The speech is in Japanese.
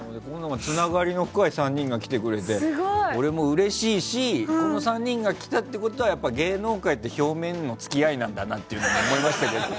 つながりの深い３人が来てくれて俺もうれしいしこの３人が来たってことは芸能界って表面の付き合いなんだなって思いましたけど。